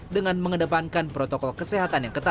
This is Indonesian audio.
dengan mengedepankan protokol kesehatan yang ketat